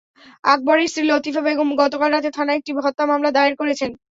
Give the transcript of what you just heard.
আকবরের স্ত্রী লতিফা বেগম গতকাল রাতে থানায় একটি হত্যা মামলা দায়ের করেছেন।